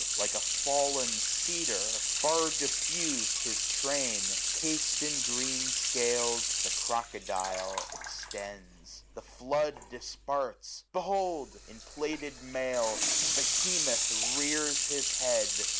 Like a fall'n cedar, far diffus'd his train, Cas'd in green scales, the crocodile extends. The flood disparts : behold ! in plaited mail. Behemoth rears his head.